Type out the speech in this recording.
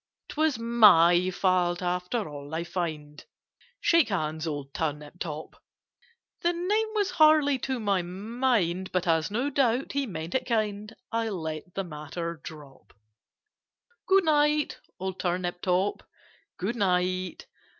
"'Twas my fault after all, I find— Shake hands, old Turnip top!" The name was hardly to my mind, But, as no doubt he meant it kind, I let the matter drop. "Good night, old Turnip top, good night!